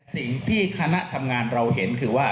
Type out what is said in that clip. สิ่งที่คณะทำงานเราเห็นคือว่า